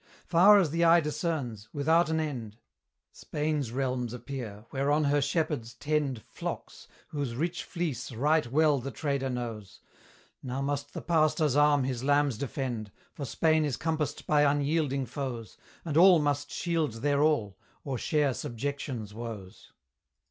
Far as the eye discerns, withouten end, Spain's realms appear, whereon her shepherds tend Flocks, whose rich fleece right well the trader knows Now must the pastor's arm his lambs defend: For Spain is compassed by unyielding foes, And all must shield their all, or share Subjection's woes.